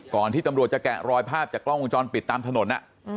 ที่ตำรวจจะแกะรอยภาพจากกล้องวงจรปิดตามถนน